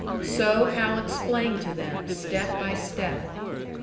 So Hal explained to them, step by step.